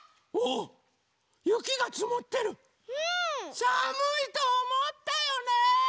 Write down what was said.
さむいとおもったよね！